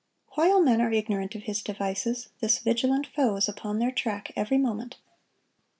While men are ignorant of his devices, this vigilant foe is upon their track every moment.